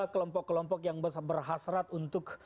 kelompok kelompok yang berhasrat untuk